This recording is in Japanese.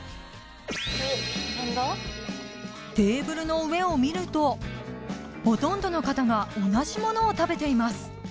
テーブルの上を見るとほとんどの方が同じものを食べています